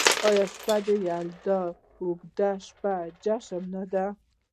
آیا شب یلدا د اوږدې شپې جشن نه دی؟